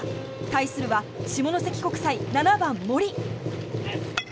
対するは下関国際、７番、森。